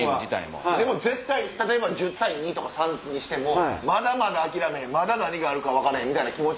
でも例えば１０対２とか１０対３にしてもまだ諦めん何があるか分からへんみたいな気持ち？